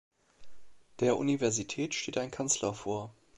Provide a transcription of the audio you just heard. Der Universität steht ein Kanzler vor.